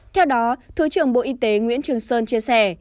theo đó thứ trưởng bộ y tế nguyễn trường sơn chia sẻ